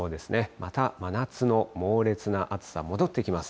また真夏の猛烈な暑さ、戻ってきます。